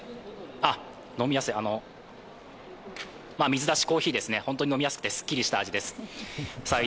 水出しコーヒーですね、本当に飲みやすくて、すっきりした味ですね。